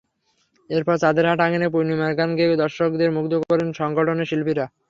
এরপর চাঁদের হাট আঙিনায় পূর্ণিমার গান গেয়ে দর্শকদের মুগ্ধ করেন সংগঠনের শিল্পীরা।